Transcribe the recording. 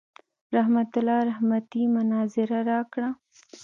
رحمت الله رحمتي مناظره راکړه.